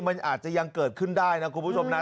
มันอาจจะยังเกิดขึ้นได้นะคุณผู้ชมนะ